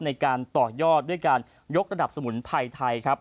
ในการต่อยอดด้วยการยกระดับสมุนไพรไทยครับ